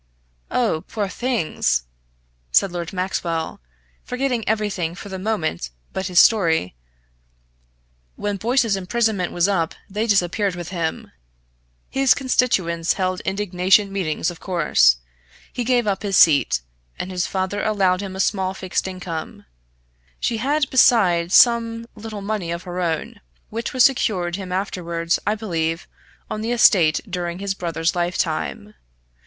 "Oh, poor things!" said Lord Maxwell, forgetting everything for the moment but his story "when Boyce's imprisonment was up they disappeared with him. His constituents held indignation meetings, of course. He gave up his seat, and his father allowed him a small fixed income she had besides some little money of her own which was secured him afterwards, I believe, on the estate during his brother's lifetime.